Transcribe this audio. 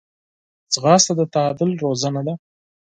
ځغاسته د تعادل روزنه ده